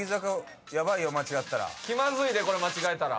気まずいでこれ間違えたら。